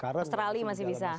karena australia masih bisa